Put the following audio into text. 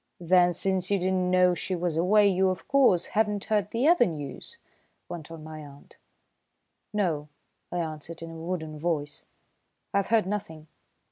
"Then, since you did not know she was away, you, of course, have not heard the other news?" went on my aunt. "No," I answered in a wooden voice. "I've heard nothing."